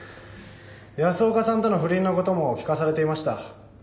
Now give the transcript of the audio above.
安岡さんとの不倫のことも聞かされていました。